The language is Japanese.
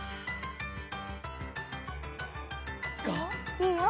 いいよ。